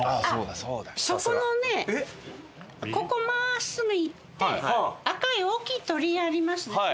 そこのねここ真っすぐ行って赤い大きい鳥居ありますでしょ？